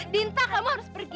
dita kamu harus pergi